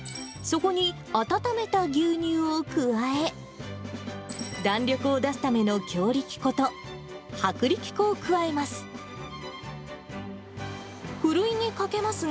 そこに、温めた牛乳を加え、弾力を出すための強力粉と、薄力粉を加えます。